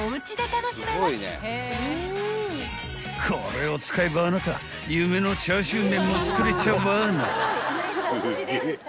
［これを使えばあなた夢のチャーシュー麺も作れちゃわな］